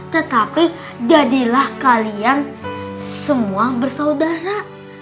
tetapi jadilah kalian semua bersaudara